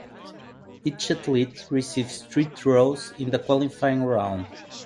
Each athlete receives three throws in the qualifying round.